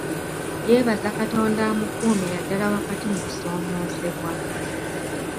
Yeebaza Katonda amukumye naddala wakati mu kusoomoozebwa